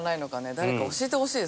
誰か教えてほしいですね